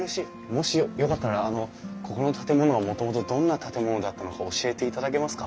もしよかったらここの建物はもともとどんな建物だったのか教えていただけますか？